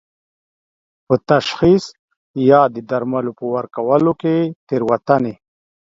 په تشخیص یا د درملو په ورکولو کې تېروتنې